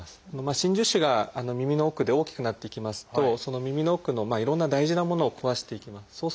真珠腫が耳の奥で大きくなっていきますとその耳の奥のいろんな大事なものを壊していきます。